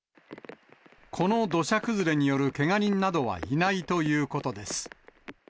この土砂崩れによるけが人などはいないということです。